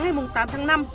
ngày tám tháng năm